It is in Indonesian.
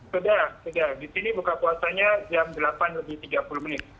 sudah disini buka puasanya jam delapan lebih tiga puluh menit